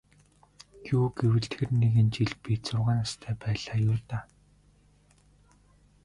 Юу гэвэл тэр нэгэн жил би зургаан настай байлаа юу даа.